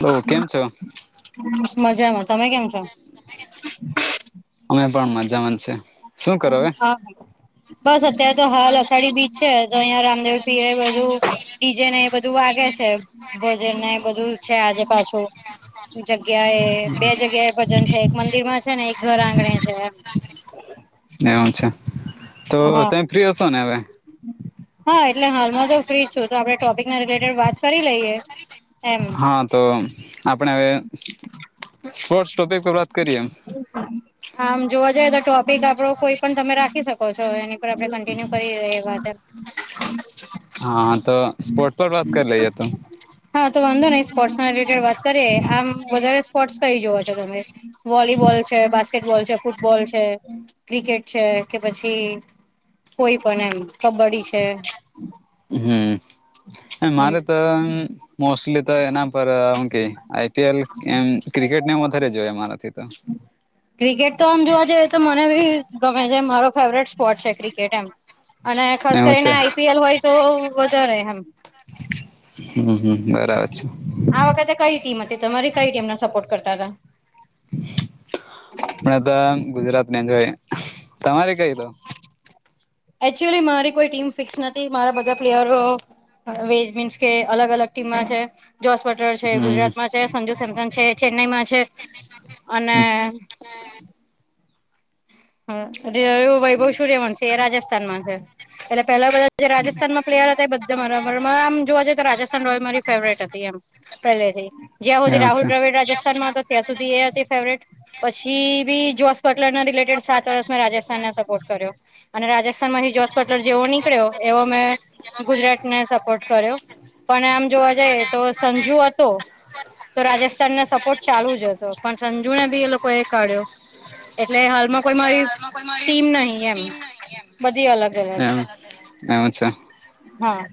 Hello કેમ છો મજામાં તમે કેમ છો અમે પણ મજામાં છે શું કરો હવે હા બસ અત્યારે તો હાલ અષાઢી બીજ છે તો અહિયાં રામદેવ પીરે બધું ડીજે ને એ બધું વાગે છે ભજન ને એ બધું છે આજે પાછું જગ્યા એ બે જગ્યા એ ભજન છે એક મંદિર માં છે ને એક ઘર આંગણે છે એવુ છે તો હા તમે ફ્રી હશો ને હવે હા એટલે હાલમાં જો ફ્રી છું તો આપડણે ટોપિક ના રિલેટેડ વાત કરી લઈએ એમ હા તો આપણે હવે સ્પોર્ટસ ટોપિક પર વાત કરીએ એમ આમ જોવા જઈએ તો ટોપિક આપડો કોઈ પણ તમે રા શકો છો એની પર આપણે કન્ટિન્યુ કરી એ વાતે હા તો સ્પોર્ટ પર વાત કરી લઈએ તો હા તો વાંધો નહી સ્પોર્ટ્સ ના રિલેટેડ વાત કરીએ આમ વધારે સ્પોર્ટ્સ કઈ જોવો છો તમે વોલીબોલ છે બાસ્કેટબોલ છે ફૂટબોલ છે ક્રિકેટ છે કે પછી કોઈ પણ એમ કબડ્ડી છે હમ્મ હમ મારે તો અમ મોસ્ટલી તો એના પર હુ કે આઈપીએલ એમ ક્રિકેટનેમ વધારે જોય મારાથી તો ક્રિકેટ તો આમ જોવા જઈએ તો મને બી ગમે છે મારો ફેવરેટ સ્પોર્ટ છે ક્રિકેટ એમ અને ખાસ એવું કરીને છે આઈપીએલ હોય તો વધારે એમ હમ્મ હમ્મ બરાબર છે આ વખતે કઈ ટીમ હતી તમારી કઈ ટીમને સપોર્ટ કરતા હતા આપણે તો ગુજરાતને જોય તમારે કઈ તો એકચુઅલી મારી કોઈ ટીમ ફિક્સ નથી મારા બધા પ્લેયરો વેજ બીન્સ કે અલગ અલગ ટીમમાં છે જોસ પટર છે હમ ગુજરાતમાં છે સંજુ સેમસન છે ચેન્નાઈમાં છે અને [inaudible] હવું વૈભવ સૂર્યવંશી છે એ રાજસ્થાનમાં છે એટલે પેલા બધા જે રાજસ્થાનમાં પ્લેયર હતા એ બધા મારા આમ જોવા જઈએ રાજસ્થાન રોયલ મારી ફેવરેટ હતી એમ. પેલેથી જ્યાં હોથી એવું રાહુલ છે દ્રવિડ રાજસ્થાન માં તો ત્યાં સુધી એ હતી ફેવરેટ પછી બી જોસ બટલર ના રિલેટેડ સાત વર્ષમાં રાજસ્થાન ના સપોર્ટ કર્યો. અને રાજસ્થાન માંથી જોસ બટલર જેવો નીકળ્યો એવો મેં ગુજરાતને સપોર્ટ કર્યો. પણ આમ જોવા જઈ તો સંજુ હતો તો રાજસ્થાનને સપોર્ટ ચાલુ જ હતો પણ સંજુને બી એ લોકો એ કાઢ્યો. એટલે હાલમાં કોઈ મારી ટીમ નહી એમ બધી અલગ અલગ એમ એવું છે. હા.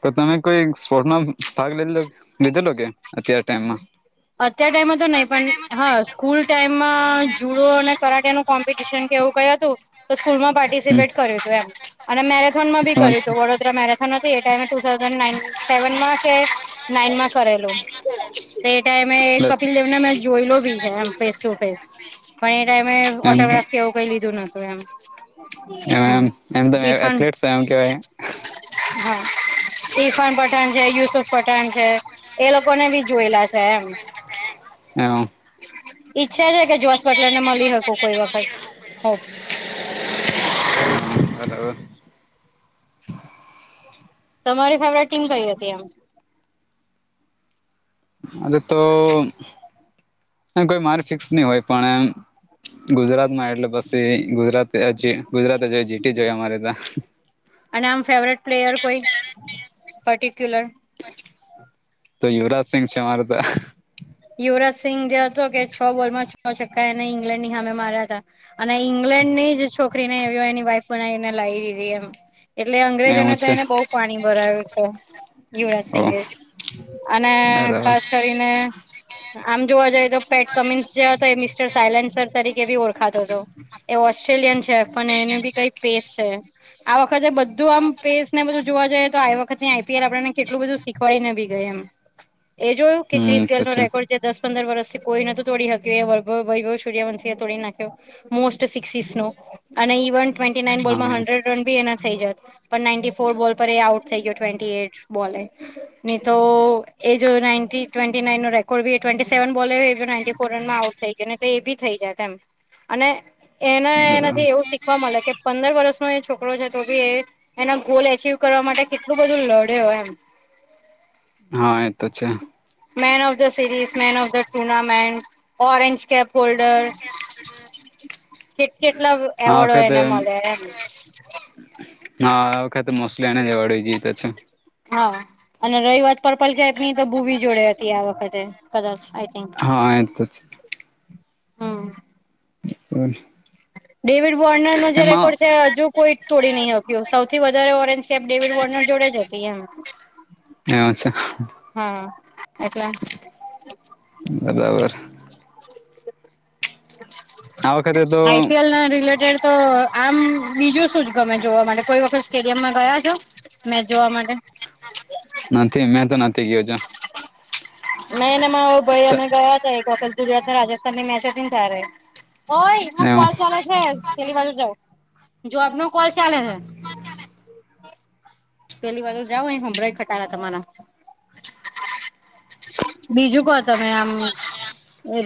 તો તમે કોઈ સ્પોર્ટમાં ભાગ લ લીધેલો કે અતાર ટાઈમમાં? અત્યાર ટાઈમમાં તો નહી પણ હા સ્કૂલ ટાઈમમાં જુડો અને કરાટે કોમ્પિટિશન એવું કહ્યું હતું તો સ્કૂલમાં પાર્ટિસિપેટ કર્યું હતું એમ અને મેરે બી કર્યું હતું વડોદરા મેરેથોન હત એ ટાઈમે ટુ થાઉઝન્ડ ના સેવનમાં કે નાઈન માં કરેલું. ટાઈમે હતી ત્યારે કપિલ દેવને મેં જોઈ બી છે એ ફેસ ટુ ફેસ પણ એ ટાઈમે મેં જોયેલું બી ઓટોગ્રાફ કેવું કઈ લીધું નતું એમ લીધું એમ હમ એમ એમ તમે ઈરફાન એથ્લેટ છો એમ કેવાય એમ હમ. ઇફાન પઠાણ છે યુસુફ પઠાણ છે એ લોકો ને બી જોયેલા છે. એમ. [inaudible] ઈચ્છા છે કે જોશ પટલર ને મળી શકું કોઈ વખત. હો હલો. તમારી ફેવરેટ ટીમ કઈ હતી એમ? [inaudible] [inaudible] એ કોઈ મારી ફિક્સ નહી હોય પણ એમ ગુજરાત માં એટલે પછી ગુજરાત ગુજરાત જો જીતી જઈએ અમારે ત્યાં. અને આમ ફેવરેટ પ્લેયર કોઈ પર્ટિક્યુલર? તો યુવરાજસિંંગ છે અમારે તો. યુવરાજસિંંગ જે હતો કે છ બોલમાં છક્કા એને ઈંગ્લેન્ડ ની હામે માર્યા હતા. અને ઈંગ્લેન્ડ ની જ છોકરી ને આવ એની વાઈફ બનાવીને લાવી દીધી એમ. એટલે અંગ્રેજોને એવું તો છે એને બહું પાણી ભરાવે છે. યુવરાજ ઓ સિંઘે અને બરાબર ખાસ કરીને આમ જોવા જઈએ તો પેટ કમિન્સ જે હતો એ મિસ્ટર સાયલેન્સર તરીકે કે ભી ઓળખાતો હતો એ ઓસ્ટ્રેલિયન છે પણ એનું બી કઈક પેસ છે. આ વખતે બધું આમ પેસ ને બધું જોવા જઈએ તો આ વખત આઈપીએલ આપેને કેટલું બધું શીખવાડી ને બી ગઈ એમ. એ જોયું કે હમ ક્રિસ તો ગેલ નો છે રે જે દસ પંદર વર્ષથી કોઈ ન તોડી હક્યું એ વભ વૈભવ સૂર્યવંશી એ તોડી નાખ્યો. મોસ્ટ સિક્સીસ નો અને ઇવન ટ્વેન્ટી નાઇન બોલમાં હા હંડ્રેડ રન બી એના થઈ જત પણ નાન્ટી ફોર બોલ પર એ આઉટ થઈ ગયો ટ્વેન્ટી એટ બોલે. નહી તો એજ ટ્વેન્ટી નાઈનો કો બી ટ્વેન્ટી સેવન બોલે એ નાન્ટી ફોર રનમાં આઉટ થઈ ગયોને તો એ બી થઈ જાય તેમ અને એના બરાબર એનાથી એવું શીખવા મળે કે પંદર વર્ષનો એ છોકરો છે તો ભી એ એના ગોલ એચિવ કરવા માટે કેટલું બધું લડ્યો એમ. હા એતો છે. Man of the series man of the tournament orange cap holder- કેટ કેટલા આ એવોર્ડો વખતે એને મળે એમ હા આ વખાતે મોસ્લી એને જ એવાડ જઈએ તો છે. હા. અને રહી વાત પર્પલ કેપ ની તો બુવી જોડે હતી આ વખતે કદાચ આઈ થિંક હા એ તો છે હમ્મ. પણ ડેવિડ વોર્નર નો જે રેકોર્ડ છે હજુ કોઈ તોડી નહીં હક્યો સૌથી વધારે ઓરેન્જ કેપ ડેવિડ વોર્નર જોડે જ હતી એમ. [unintelligible] હા એટલે બરાબર. આ વખતે તો આઈપી એલ ના રિલેટેડ તો આમ બીજું શું ગમે જોવા માટે કોઈ વખત સ્ટેડિયમમાં ગયા છો? મેંચ જોવા માટે નથી મેં તો નથી ગયો જ મેં ને ભાઈ છું અમે ગયા છે એક વખત ગુજરાતને રાજસ્થાનની મેચ હતી ને તારે ઓય એમાં એવું કોલ ચાલે છે ચેલી બાજુ જા જોબ નો કોલ ચાલે છે [inaudible] પેલી બાજુ જાાવ અહીં હમભરાય ખતારા તમારા બીજું કો તમે આમ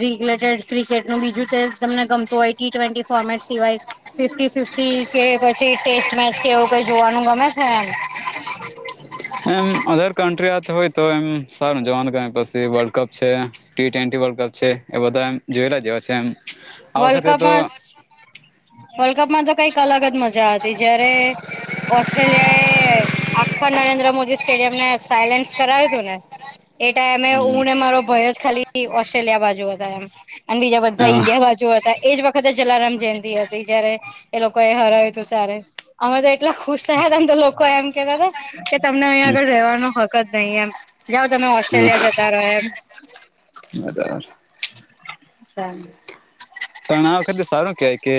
રિલેટેડ ક્રિકેટ નું બીજું ટેસ્ટ તમને ગમતું હોય ટી ટ્વેન્ટી ફોર્મેટ સિવાય ફિફી ફિફ્ટી કે પછી ટેસ્ટ મેચ કેવું કઈ જોવાનું ગમે છે એમ [inaudible] એમ અધર કન્ટ્રી હોય તો એમ સાર જોન કર પછી વર્લ્ડ કપ છે ટી ટ્વેન્ટી વર્લ્ડ કપ છે એ બધા એમ જોયલા જેવા છે એમ આ વર્લ્ડ વખતે તો કપમાં વર્લ્ડ કપમાં તો કઈક અલગ જ મજા હતી જયારે ઓસ્ટ્રેલિયા એ આખા નરેન્દ્ર મોદી સ્ટેડિયમને સાયલેન્સ કરાવ્યું હતું ને એ ટાઈમે હમ હું ને મારો ભય જ ખાલી ઓસ્ટ્રેલિયા બાજુ હતા એમ અને બીજા બધા હા ઇન્ડિયા બાજુ હતા એજ વખતે જલારામ જયંતિ હતી જયારે એ લોકો એ હરાય્યું તું તારે અમે તો એટલા ખુશ થયા તમ તો લોકો એમ કેતા હતા કે તમને અહીંયા હમ આગળ રહેવાનો હક જ નહીં એમ જાઓ તમે ઓસ્ટ્રેલિયા હા જ તારો એમ બરાબર પણ આ વખતે સારું કહેવાય કે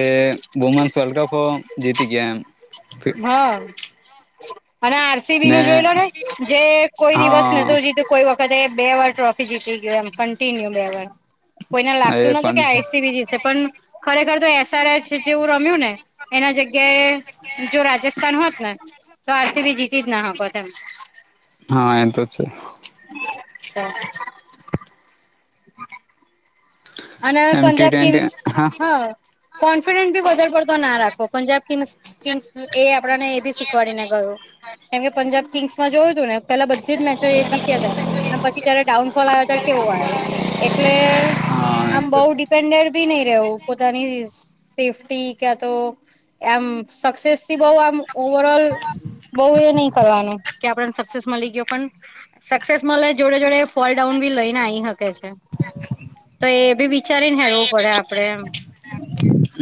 વુમેન્સ વર્લ્ડ કપ જીતી ગયા એમ. હા અને આર સી બી નું જોઈ લો ને જે કોઈ દિવસ હા નતું જીતું કોઈ આ વખતે બે વાર ટ્રોફી જીતી ગયો એમ કન્ટિન્યુ બે વાર કોઈને લાગતું એ નતું કે પણ આર સી બી જીતશે પણ ખરેખર તો એસઆરએચ જેવું રમ્યું ને એના જગ્યાએ જો રાજસ્થાન હોત ને તો આર સી બી જીતી જ ના હકો ત એમ હા એ તો છે [inaudible] અને એમ ટી પંજાબ ટ્વેન્ટી કિગસ હા કોન્ફિડન્સ ભી વધારે પડતો ના રાખો પંજાબ કિંગ્સ કિંગ્સ એ આપણાને એ બી શીખવાડી ને ગયું કેમ કે પંજાબ કિંગ્સ માં જોયું તું ને પેલા બધી જ મેચો એ જીત્યા હતા અને પછી જયારે ડાઉનફોલ આવ્યો ત્યારે કેવો આવ્યો એટલે હા એ આમ તો બહુ ડિપેન્ડેડ ભી નહી રહવું પોતાની સેફ્ટી ક તો એમ સક્સેસથી બહુ આમ ઓવર ઓલ બઉુ એ નહી કરવાનું કે આપે સક્સેસ મળી ગયો પણ સક્સેસ મળે જોડે જોડે ફોલડાઉન બી લઈને આવી શકે છે તો એ બી વિચારીને હેરવું પડે આપડે એમ.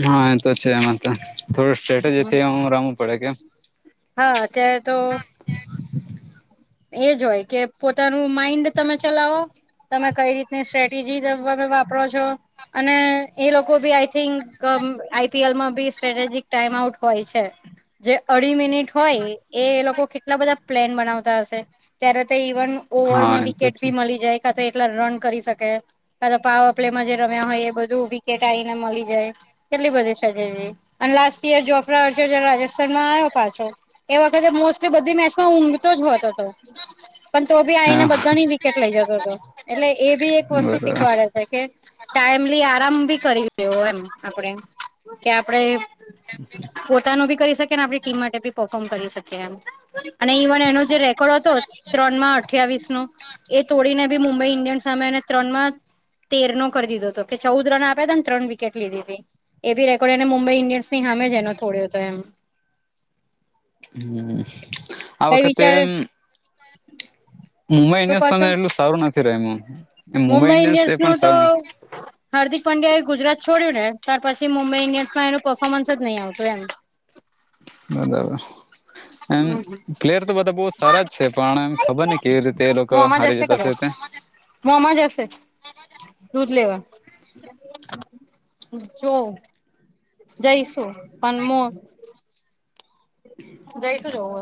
હા એ તો છે એમાં તો થોડું સ્ટ્રેટેજી થી રમવું પડે કેમ હા ત્યારે તો [inaudible] એજ હોય કે પોતાનું માઈન્ડ તમે ચલાવો તમે કઈ રીતની સ્ટ્રેટેજી રમવા વાપરો છો અને એ લોકો બી આઈ થિંક આઈપીએલમાં બી સ્ટ્રેટેજીક ટાઈમ આઉટ હોય છે. જે અઢી મિનિટ હોય એ એ લોકો કેટલા બધા પ્લેન બનાવતા હ ત્યારે તો ઇવન હા ઓવરમાં એ તો વિકેટ છે ભી મળી જાય કા તો એટલા રન કરી શકે. ક પાવ પ્લે માં જે રમ્યા હોય એ બધું વિકેટ આવીને મળી જાય. કેટલી બધી છે અને લાસ્ટ યર જોફરા વર્ જ રાજસ્થાનમાં આવ્યો પાછો. એ વખતે મોસ્ટલી બધી મેચમાં ઊઘ તો જ હોતો હતો પણ તો ભી આવીઈને હા બધાની વિકેટ લઈ જતો તો. એટલે એ બી એક વસ્તુ બરોબર શીખવાડે છે. કે ટાઈમલી આરામ ભી કરી રહ્યો એમ આપણેે કે આપડે. પોતાનું બી કરી શકે આપણી ટીમ માટે બી પફોર્મ કરી શકી એમ અને ઇવ વન એનો જે રેકોર્ડ હતો ત્રણ માં અઠ્યાવીસ નો એ તોડીને બી મુંબઈ ઈન્ડિયન્સ સામે ત્રણ માં તેર નો કરી દીધો હતો કે ચૌદ રન આપ્યા હતા ને ત્રણ વિકેટ લીધી તી. એ ભી રેકોર્ડ એને મુંબઈ ઈન્ડિયન્સની હામે છે એનો થોડ હતો એમ હ આ કઈ વખાતે વિચાર એમ. મુંબઈ શું ઈન્ડિયન્સ કહો છો એટલું સારું નથી રહ એમ મુંબઈ ઇન્ડિયન્સ એ પણ નું તો. સારું હાર્દિક પંડ્યા એ ગુજરાત છોડ્યું ને તાર પછી મુંબઈ ઈન્ડયન્સમાં એનું પર્ફોર્ન્સ જ નહીં આવતું એમ. બરાબર એમ હમ પ્લેયર તો બધા બહુ સારા જ છે પણ ખબર નહ કેવી રીતે એ લોકો હારી જતાશે ત્યાં મોમ જ હશે દૂધ લેવા જોવ જઈશું પણ મો જઈ તુ જોઓ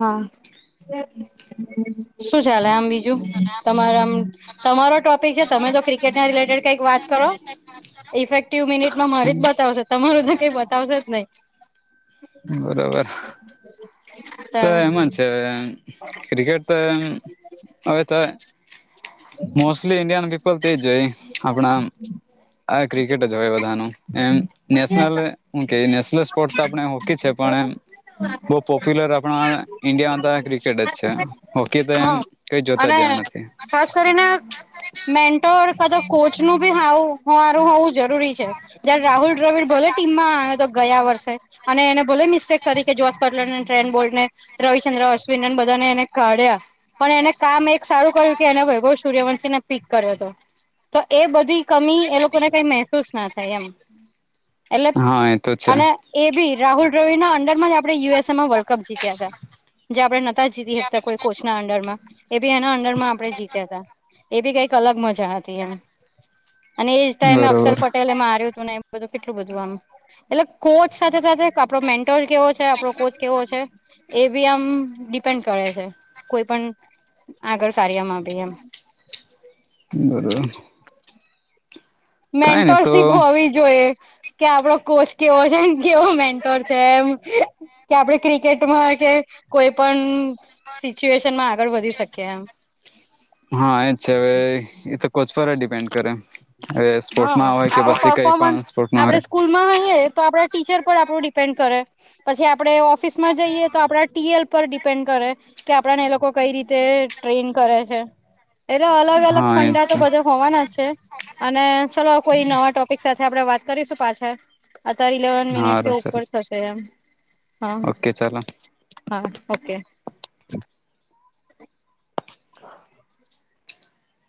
હા શું ચાલે આમ બીજું તમામ તમારો ટોપિક છે તમે તો ક્રિકેટ ના રિલેટેડ કઈક વાત કરો. ઇફેક્ટિવ મિનિટમાં મારી જ બતાવશે તમારું તો કઈ બતાવશે જ નહીં. બરોબર હ [inaudible] તો એમાં છે એમ ક્રિકેટ તો એમ હવે તો મોસ્ટલી ઇન્ડિયાન પીપલ તેજ હોય આપણા આ ક્રિકેટ જ હોય બધાનું એમ નેશનલ હું કે નેશનલ સ્પોર્ટ તો આપણે હોકી છે પણ એમ બહુ પોપ્યુલર આપણા ઈન્ડિયામાં તો ક્રિકેટ જ છે હોકી તો એમ હા કઈ જોતા અને જવા નથી ખાસ કરીને મેન્ટો કદા કોચ નું બી હાવું હુંરું હોઉ જરૂરી છે જયારે રાહુલ દ્રવિડ ભલે ટીમમાં તો ગયા વર્ષે અને એને ભોલે મિસ્ટેક કરી કે જોસ પટલર ને ટ્રેન બોલડને રવિચંદ્ર અશ્વિનને બધાને એને કાઢ્યા પણ એને કામ એક સારું કર્યું કે એને વૈભવ સૂર્યવંશીને પીક કર્યો હતો તો એ બધી કમી એ લોકોને કઈ મહેસૂસ ના થાય એમ એટલે હા એ તો છે અને એ બી રાહુલ દ્રવિના અંડરમાં જ આપણે યુએસમાં વર્લ્ડ કપ જીત્યા હતા જે આપણે જીતી શકતા કોઈ કોચ ના અંડર માં એ બી એના અંડરમાં આપણે જીત્યા હતા એ બી કઈક અલગ મજા હતી એમ અને એ જ ટાઈમ અક્ષર બરોબર પટેલે માર્યું હતું ને એમ બધું કેટલું બધું આમ એટલે કોચ સાથે સાથે આપડો મે કેવો છે આપડો કોચ કેવો છે. એ બી આમ ડિપેન્ડ કરે છે કોઈ પણ આગળ કાર્યમાં ભી એમ બરોબર કઈ નહી તો મેન્ટરશિપ હોવી જોઈ કે આપડો કોચ કેવો છે કેવો મેન્ટોર છે એમ કે આપણે ક્રિકેટમાં કે કોઈ પણ સિચ્યુએશનમાં આગળ વધી શકીએ એમ હા એ જ છે હવે એ તો કોચ પર ડિપેન્ડ કરે હવે હા સ્પોર્ટમાં હોય કે પછી કઈ પણ સ્પોર્ટમાં હોય સ્કૂલ માં આઈએ તો આપડા ટીચર પર આપણું ડિપેન્ડ કરે પછી આપડે ઓફિસ માં જઈએ તો આપડા ટીએલ પર ડિપેન્ડ કરે કે આપડાને એ લોકો કઈ રીતે ટ્રેન કરે છે એટલે અલગ અલગ હા એ જ ફંડા તો છે બધા હોવાના છે અને ચલો કોઈ નવા ટોપિક સાચ આપડે વાત કરીશું પાછા અત્યારે ઇલેવન મિનિટથી હારું ચાલો ઉપર થશે એમ હા ઓકે ચાલો હા ઓકે